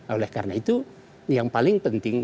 oleh karena itu yang paling penting